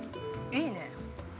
◆いいね。